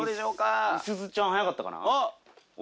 今ねみすずちゃん早かったかな。